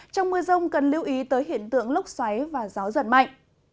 trong mưa rông cần lưu ý tới hiện tượng lốc xoáy và gió giật mạnh